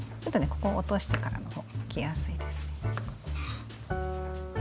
ここを落としてからの方がむきやすいです。